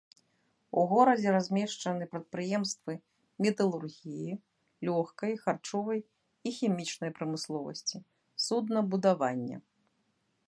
У горадзе размешчаны прадпрыемствы металургіі, лёгкай, харчовай і хімічнай прамысловасці, суднабудавання.